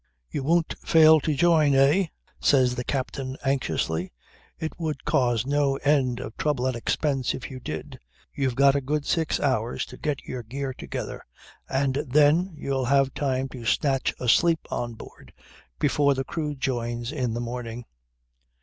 "You won't fail to join eh?" says the captain anxiously. "It would cause no end of trouble and expense if you did. You've got a good six hours to get your gear together, and then you'll have time to snatch a sleep on board before the crew joins in the morning."